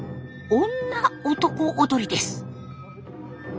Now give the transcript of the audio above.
女男踊りです。